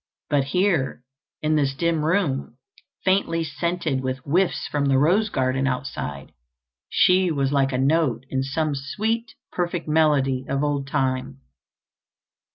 But here, in this dim room, faintly scented with whiffs from the rose garden outside, she was like a note in some sweet, perfect melody of old time.